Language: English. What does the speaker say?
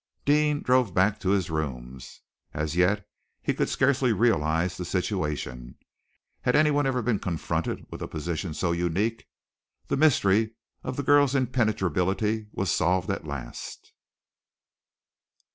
Deane drove back to his rooms. As yet he could scarcely realize the situation. Had anyone ever been confronted with a position so unique? The mystery of the girl's impenetrability was solved at last!